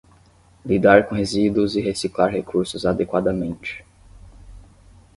Lidar com resíduos e reciclar recursos adequadamente